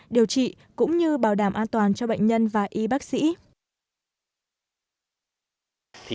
điều trị cũng như bảo đảm an toàn cho bệnh nhân và y bác sĩ